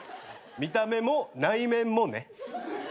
見た目も内面もね。